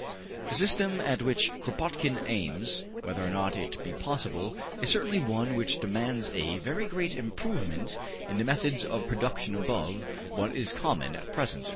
The system at which Kropotkin aims, whether or not it be possible, is certainly one which demands a very great improvement in the methods of production above what is common at present.